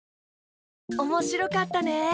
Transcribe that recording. おもしろかったね。